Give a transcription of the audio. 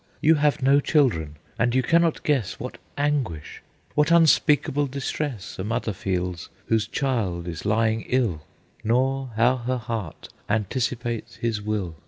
You have no children, and you cannot guess What anguish, what unspeakable distress A mother feels, whose child is lying ill, Nor how her heart anticipates his will.